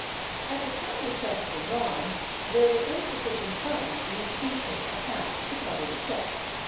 36 At the time the checks were drawn, there were insufficient funds in the CTAPE ac count to cover the checks.